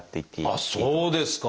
あっそうですか！